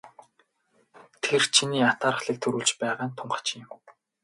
Тэр чиний атаархлыг төрүүлж байгаа нь тун хачин юм.